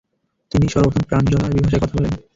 তিনিই সর্বপ্রথম প্রাঞ্জল আরবী ভাষায় কথা বলেন।